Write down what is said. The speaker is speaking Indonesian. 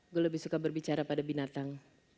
gue lebih suka berbicara pada binatang